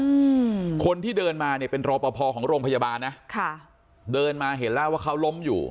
อืมคนที่เดินมาเนี่ยเป็นรอปภของโรงพยาบาลนะค่ะเดินมาเห็นแล้วว่าเขาล้มอยู่